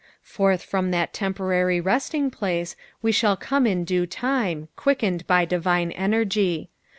Forth from that temporary resting place we shall come in due time, quickened by divine energy.